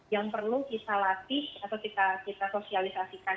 yang perlu kita latih atau kita sosialisasikan